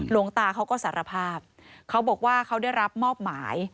หลวงตาเขาก็สารภาพเขาบอกว่าเขาได้รับมอบหมาย